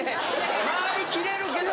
回り切れるけど。